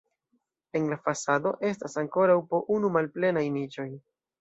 En la fasado estas ankoraŭ po unu malplenaj niĉoj.